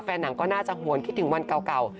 หนังก็น่าจะหวนคิดถึงวันเก่า